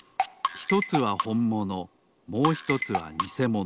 ひとつはほんものもうひとつはにせもの。